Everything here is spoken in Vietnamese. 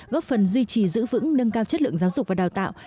góp phần duy trì giữ vững nâng cao chất lượng giáo dục và đào tạo